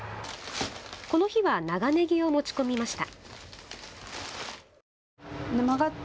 この日は長ネギを持ち込みました。